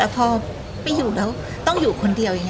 พอไม่อยู่แล้วต้องอยู่คนเดียว